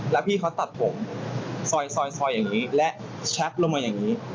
แล้วพี่เขาตัดผมซอยอย่างนี้และชักลงมาอย่างนี้